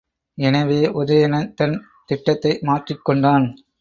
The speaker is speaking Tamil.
எனவே, உதயணன் தன் திட்டத்தை மாற்றிக் கொண்டான்.